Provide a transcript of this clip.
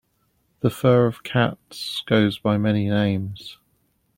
The fur of cats goes by many names.